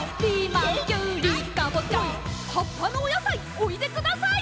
「根っこのお野菜おいでください！」